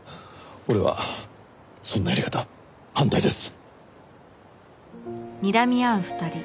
俺はそんなやり方反対です。